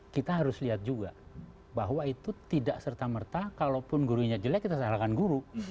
kita harus lihat juga bahwa itu tidak serta merta kalaupun gurunya jelek kita salahkan guru